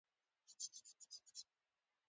پکتیا د افغانانو لپاره یوه مهمه سیمه ده.